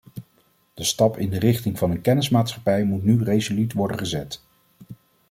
De stap in de richting van een kennismaatschappij moet nu resoluut worden gezet.